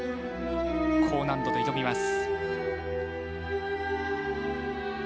高難度で挑みます。